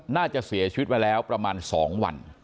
น่าจะเสียชีวิตมาแล้วประมาณ๒วัน